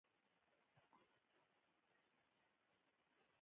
دوی ته به موږ الوتکې ویلې، تر باران لاندې ولاړ و.